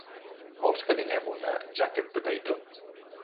Vols que dinem una "jacket potato"?